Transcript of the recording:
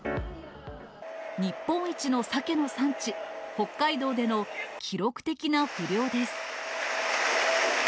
日本一のサケの産地、北海道での記録的な不漁です。